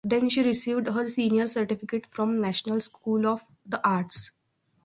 Then she received her senior certificate from National School of the Arts.